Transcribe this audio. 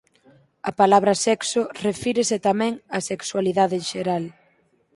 A palabra "sexo" refírese tamén á sexualidade en xeral.